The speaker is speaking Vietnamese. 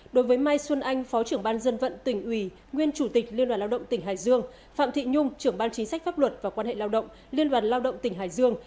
đối với mai xuân anh phó trưởng ban dân vận tỉnh ủy nguyên chủ tịch liên đoàn lao động tỉnh hải dương phạm thị nhung trưởng ban chính sách pháp luật và quan hệ lao động liên đoàn lao động tỉnh hải dương